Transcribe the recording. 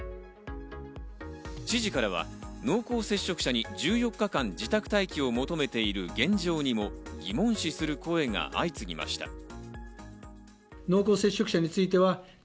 知事からは濃厚接触者に１４日間自宅待機を求めている現状にも疑問視する声が相次ぎました。